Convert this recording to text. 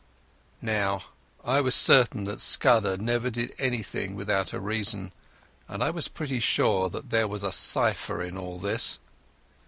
Now I was certain that Scudder never did anything without a reason, and I was pretty sure that there was a cypher in all this.